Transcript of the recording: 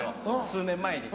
数年前に。